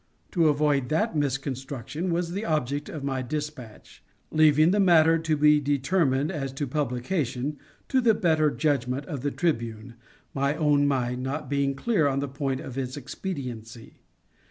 To avoid that misconstruction was the object of my dispatch leaving the matter to be determined as to publication to the better judgment of the Tribune, my own mind not being clear on the point of its expediency.